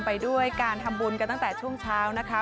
ไปด้วยการทำบุญกันตั้งแต่ช่วงเช้านะคะ